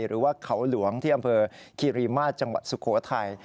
หรือว่าเขาหลวงที่อำเภอคีรีมาตรจังหวัดสุโขทัย